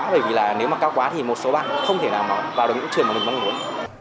bởi vì là nếu mà cao quá thì một số bạn không thể nào vào được những trường mà mình mong muốn